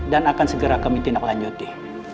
dan akan segera kami tindaklanjuti